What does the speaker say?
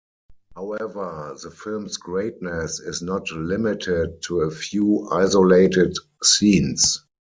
However, the film's greatness is not limited to a few isolated scenes.